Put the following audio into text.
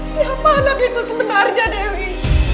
siapa lagi itu sebenarnya dewi